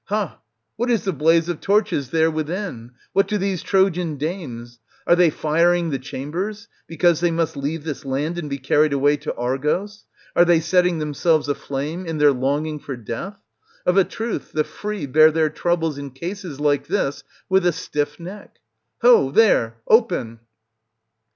Ha ! what is the blaze of torches there within ? What do these Trojan dames ? Are they firing the chambers, because they must leave this land and be carried away to Argos ? Are they setting themselves aflame in their longing for death ? Of a truth the free bear their troubles in cases like this with a stiff neck. Ho, there ! open